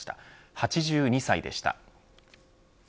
８２歳でした。